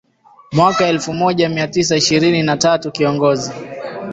Mwaka elfumoja miatisa ishirini na tatu Kiongozi